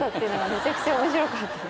めちゃくちゃ面白かったです。